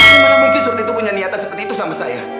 gimana mungkin surti punya niatan seperti itu sama saya